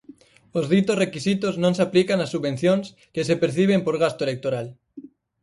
Os ditos requisitos non se aplican a subvencións que se perciben por gasto electoral.